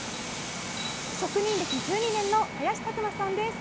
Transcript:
職人歴１２年の林琢磨さんです。